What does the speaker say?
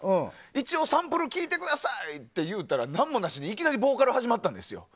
一応、サンプルを聴いてくださいって言ったら何もなしにいきなりボーカルが始まったんですよ。